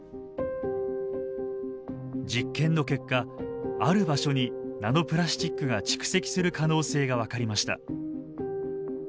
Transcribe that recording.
実験の結果ある場所にナノプラスチックが蓄積する可能性が分かりました。